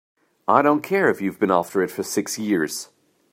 I don't care if you've been after it for six years!